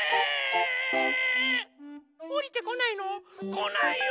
こないよ。